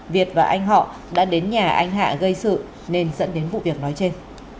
việt và anh họ đã đến nhà anh hạ gây sự nên dẫn đến vụ việc nói trên